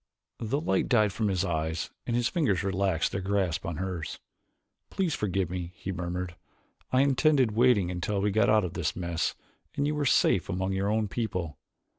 The light died from his eyes and his fingers relaxed their grasp on hers. "Please forgive me," he murmured. "I intended waiting until we got out of this mess and you were safe among your own people.